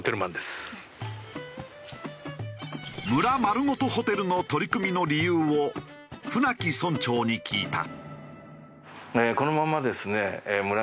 村まるごとホテルの取り組みの理由を舩木村長に聞いた。